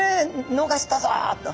逃したぞ」と。